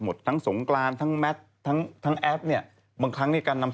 มดดำก็เป็นมโนนู่นนี่นั่นต่างนะครับ